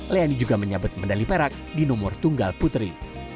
leoni juga menyebut medali perak di nomor tunggal putri